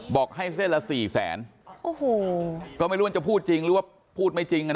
บอกให้เส้นละสี่แสนโอ้โหก็ไม่รู้ว่าจะพูดจริงหรือว่าพูดไม่จริงอ่ะนะ